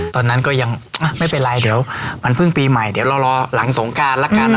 ตอนนั้นก็ยังไม่เป็นไรเดี๋ยวมันเพิ่งปีใหม่เดี๋ยวเรารอหลังสงการละกัน